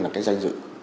là cái danh dự